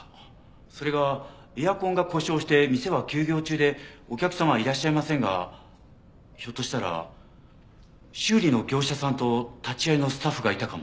それがエアコンが故障して店は休業中でお客様はいらっしゃいませんがひょっとしたら修理の業者さんと立ち会いのスタッフがいたかも。